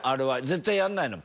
絶対やらないの？